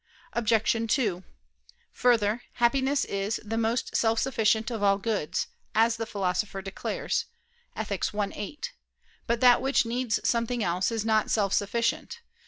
Obj. 2: Further, happiness is "the most self sufficient of all goods," as the Philosopher declares (Ethic. i, 7). But that which needs something else is not self sufficient.